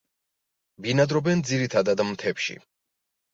ბინადრობენ ძირითადად მთებში.